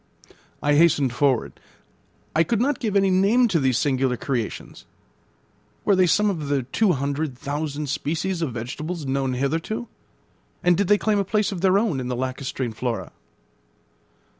I hastened forward. I could not give any name to these singular creations. Were they some of the two hundred thousand species of vegetables known hitherto, and did they claim a place of their own in the lacustrine flora?